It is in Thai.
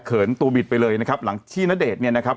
ตัวบิดไปเลยนะครับหลังที่ณเดชน์เนี่ยนะครับ